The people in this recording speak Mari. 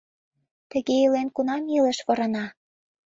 Тыге илен, кунам илыш ворана?